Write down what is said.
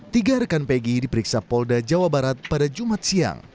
tiga rekan pegi diperiksa polda jawa barat pada jumat siang